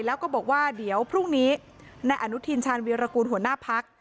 แล้วก็บอกว่าเดี๋ยวพรุ่งนี้นายอนุทินชาญวีรกูลหัวหน้าพัก